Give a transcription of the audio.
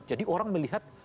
jadi kalau kita lihat